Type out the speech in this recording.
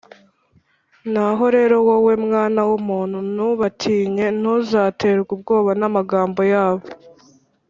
Naho rero wowe, mwana w’umuntu, ntubatinye, ntuzaterwe ubwoba n’amagambo yabo